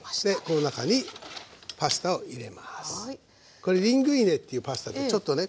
これリングイネっていうパスタでちょっとね